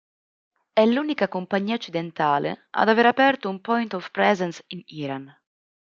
È l'unica compagnia occidentale ad aver aperto un "Point of presence" in Iran.